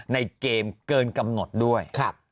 ในเกมเกินกำหนดด้วย